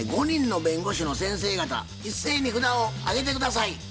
５人の弁護士の先生方一斉に札を上げて下さい。